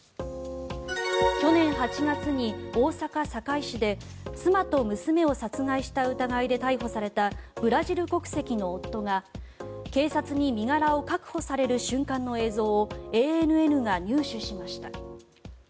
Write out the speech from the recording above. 去年８月に大阪・堺市で妻と娘を殺害した疑いで逮捕されたブラジル国籍の夫が警察に身柄を確保される瞬間の映像をＡＮＮが入手しました。